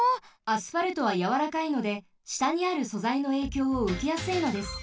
アスファルトはやわらかいのでしたにあるそざいのえいきょうをうけやすいのです。